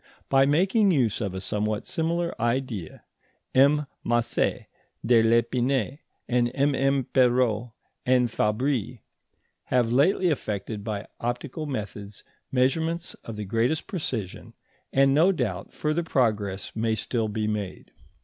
By making use of a somewhat similar idea, M. Macé de Lépinay and MM. Perot and Fabry, have lately effected by optical methods, measurements of the greatest precision, and no doubt further progress may still be made.